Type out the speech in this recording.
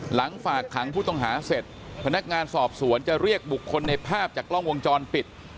หลังฝากขังผู้ต้องหาเสร็จพนักงานสอบสวนจะเรียกบุคคลในภาพจากกล้องวงจรปิด